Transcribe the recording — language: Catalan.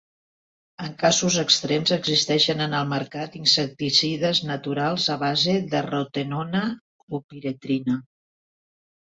En casos extrems existeixen en el mercat insecticides naturals a base de rotenona o piretrina.